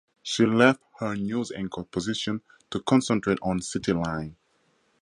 She left her news anchor position to concentrate on "CityLine".